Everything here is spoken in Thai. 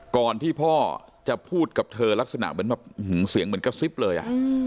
ก่อนที่พ่อจะพูดกับเธอลักษณะเหมือนแบบเสียงเหมือนกระซิบเลย